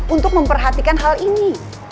untuk memperhatikan hal ini